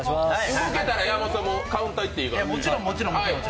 動けたら山本さん、カウンターいっていいからね。